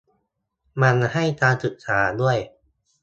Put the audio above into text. มันให้การศึกษาด้วย